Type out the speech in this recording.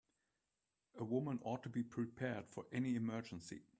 A woman ought to be prepared for any emergency.